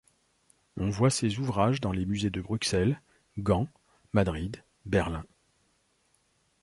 On voit ses ouvrages dans les musées de Bruxelles, Gand, Madrid, Berlin.